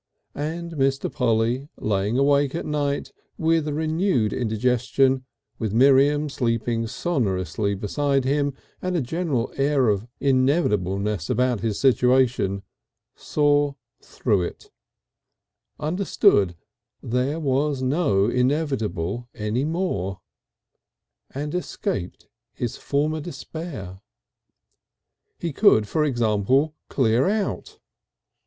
And Mr. Polly lying awake at nights, with a renewed indigestion, with Miriam sleeping sonorously beside him and a general air of inevitableness about his situation, saw through it, understood there was no inevitable any more, and escaped his former despair. He could, for example, "clear out."